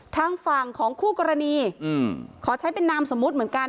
ทางฝั่งของคู่กรณีขอใช้เป็นนามสมมุติเหมือนกัน